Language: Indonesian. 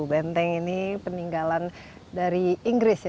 benteng ini peninggalan dari inggris ya